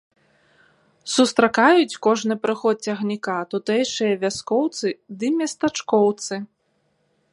Сустракаюць кожны прыход цягніка тутэйшыя вяскоўцы ды местачкоўцы.